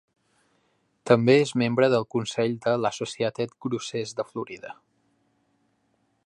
També és membre del consell de l'Associated Grocers de Florida.